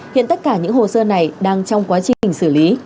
hiện tất cả những hồ sơ này đang trong quá trình xử lý